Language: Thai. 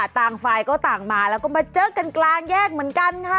ต่างฝ่ายก็ต่างมาแล้วก็มาเจอกันกลางแยกเหมือนกันค่ะ